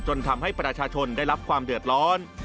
ทำให้ประชาชนได้รับความเดือดร้อน